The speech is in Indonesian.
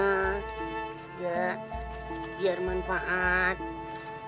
biar aku ambil